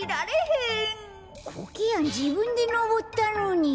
コケヤンじぶんでのぼったのに。